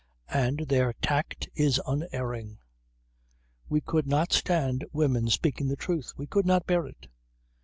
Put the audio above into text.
And their tact is unerring. We could not stand women speaking the truth. We could not bear it.